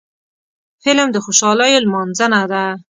فلم د خوشحالیو لمانځنه ده